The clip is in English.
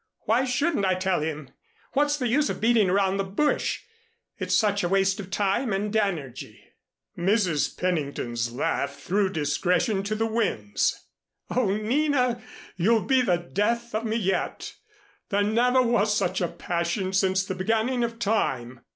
Why shouldn't I tell him? What's the use of beating around the bush? It's such a waste of time and energy." Mrs. Pennington's laugh threw discretion to the winds. "Oh, Nina, you'll be the death of me yet. There never was such a passion since the beginning of Time."